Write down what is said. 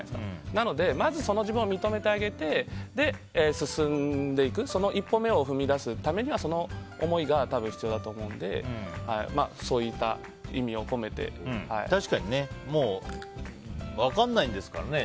なので、まずその自分を認めてあげて進んでいく一歩目を踏み出すためにはその思いが多分必要だと思うので確かにもう分からないんですからね。